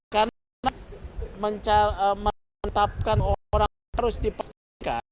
karena menetapkan orang harus dipastikan